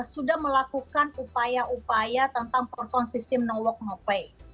sudah melakukan upaya upaya tentang persoalan sistem no work no pay